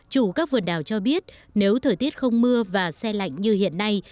chủ các vườn đào cho biết nếu thời tiết không mưa và xe lạnh như hiện nay